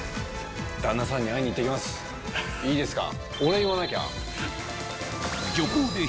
いいですか？